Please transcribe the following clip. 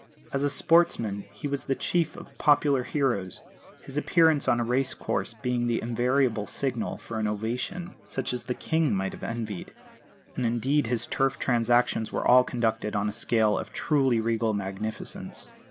As a sportsman he was the chief of popular heroes, his appearance on a race course being the invariable signal for an ovation, such as the King might have envied. And, indeed, his Turf transactions were all conducted on a scale of truly regal magnificence.